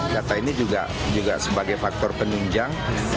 data ini juga sebagai faktor penunjang